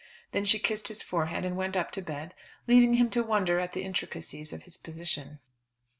Then she kissed his forehead, and went up to bed leaving him to wonder at the intricacies of his position.